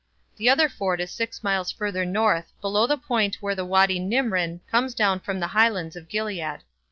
The other ford is six miles further north below the point where the Wady Nimrin comes down from the highlands of Gilead.